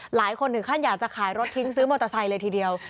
หลายคนถึงขั้นอยากจะขายรถทิ้งซื้อมอเตอร์ไซค์เลยทีเดียว